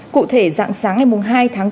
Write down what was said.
cụ thể dạng sáng ngày hai tháng bốn